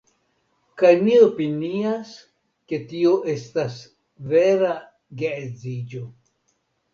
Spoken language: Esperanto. Kaj mi opinias ke tio estas vera geedziĝo.